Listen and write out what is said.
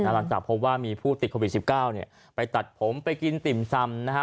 หลังจากพบว่ามีผู้ติดโควิด๑๙ไปตัดผมไปกินติ่มซำนะฮะ